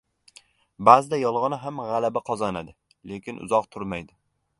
• Ba’zida yolg‘on ham g‘alaba qozonadi, lekin uzoq turmaydi.